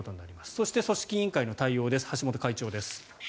そして、組織委員会の対応です橋本会長です。